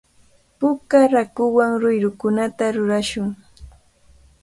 Puka raakuwan ruyrukunata rurashun.